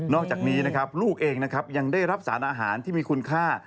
นอกจากนี้ลูกเองยังได้รับสารอาหารที่มีคุณค่า